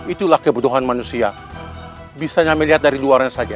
itulah kebenuhan manusia bisa hanya melihat dari luar saja